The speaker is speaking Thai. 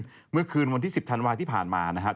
เมื่อคืนวันที่๑๐ธันวาที่ผ่านมานะครับ